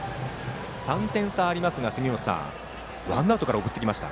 ３点差がありますが、杉本さんワンアウトから送ってきました。